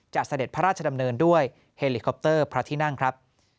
เสด็จพระราชดำเนินด้วยเฮลิคอปเตอร์พระที่นั่งครับ